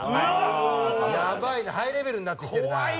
やばいねハイレベルになってきてるな。